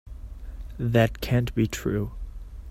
That can't be true.